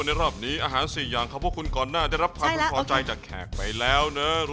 พวกในรอบนี้อาหารสี่อย่างเขาพวกคุณก่อนหน้าได้รับพรรจะและขอใจจากแขกไปแล้ว